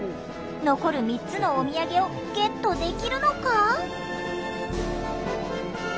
残る３つのおみやげをゲットできるのか？